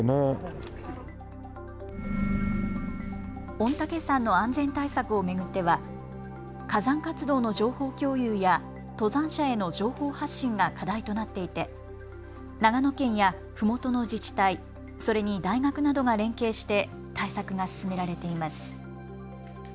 御嶽山の安全対策を巡っては火山活動の情報共有や登山者への情報発信が課題となっていて長野県やふもとの自治体、それに大学などが連携して対策が進められています。